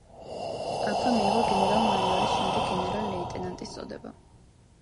აქვე მიიღო გენერალ-მაიორის, შემდეგ გენერალ-ლეიტენანტის წოდება.